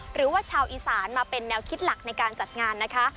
หรือว่าชาวอีสานมาเป็นแนวคิดหลักในการจัดงานนะคะ